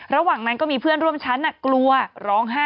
ระหว่างนั้นก็มีเพื่อนร่วมชั้นกลัวร้องไห้